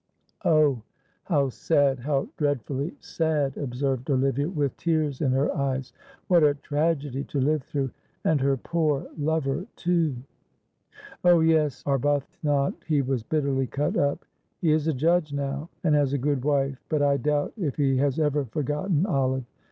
"Oh, how sad how dreadfully sad!" observed Olivia, with tears in her eyes. "What a tragedy to live through. And her poor lover too!" "Oh, yes, Arbuthnot; he was bitterly cut up. He is a judge now, and has a good wife, but I doubt if he has ever forgotten Olive.